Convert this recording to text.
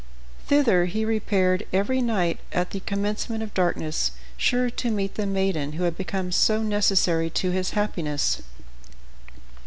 Thither he repaired every night at the commencement of darkness, sure to meet the maiden who had become so necessary to his happiness.